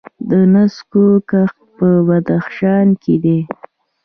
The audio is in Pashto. د نسکو کښت په بدخشان کې دی.